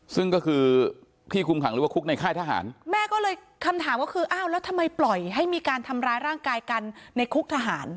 ซึ่งก็คือที่คุมขังหรือว่าคุกในค่ายทหารแม่ก็เลยคำถามว่าคืออ้าวแล้วทำไมปล่อยให้มีการทำร้ายร่างกายกันในคุกทหาร